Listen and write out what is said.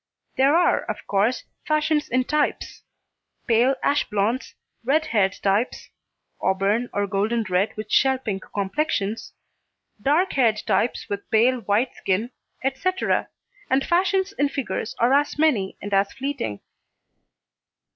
There are of course fashions in types; pale ash blonds, red haired types (auburn or golden red with shell pink complexions), dark haired types with pale white skin, etc., and fashions in figures are as many and as fleeting.